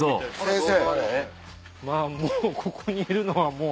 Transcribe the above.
まぁもうここにいるのはもう。